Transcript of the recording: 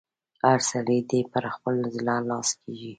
هر سړی دې پر خپل زړه لاس کېږي.